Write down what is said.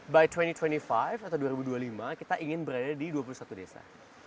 by dua ribu dua puluh lima kita ingin berada di dua puluh satu desa